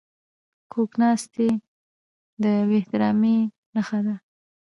کوږ ناستی د بې احترامي نښه ده